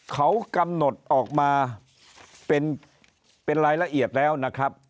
เขากำหนดออกมาเป็นรายละเอียดแล้วนะครับ